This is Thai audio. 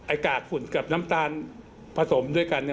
กากฝุ่นกับน้ำตาลผสมด้วยกันเนี่ย